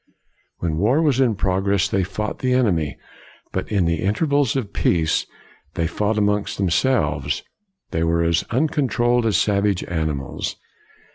When war was in progress they fought the enemy, but in the intervals of peace they fought among themselves. They were as uncon trolled as savage animals.